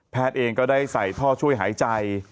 เองก็ได้ใส่ท่อช่วยหายใจ